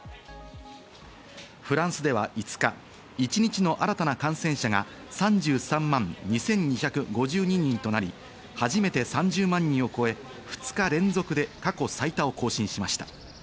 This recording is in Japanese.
フランスでは５日、一日の新たな感染者が３３万２２５２人となり、初めて３０万人を超え、２日連続で過去最多を更新しました。